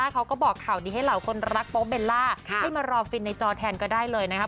เขาบอกว่านี่สมการรอคอยแน่นอนนะคะ